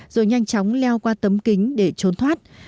rồi nhanh chóng leo qua tấm kính để trốn thoát